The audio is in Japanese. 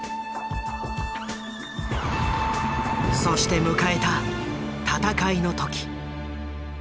そして迎えた戦いの時。